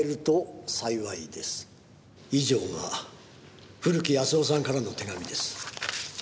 以上が古木保男さんからの手紙です。